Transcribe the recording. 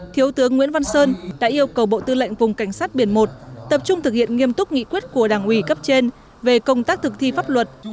thiếu tướng nguyễn văn sơn đã yêu cầu bộ tư lệnh vùng cảnh sát biển một tập trung thực hiện nghiêm túc nghị quyết của đảng ủy cấp trên về công tác thực thi pháp luật